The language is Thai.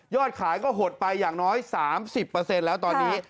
ขายก็หดไปอย่างน้อย๓๐แล้วตอนนี้